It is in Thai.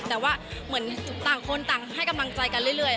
แต่ว่าเหมือนต่างคนต่างให้กำลังใจกันเรื่อย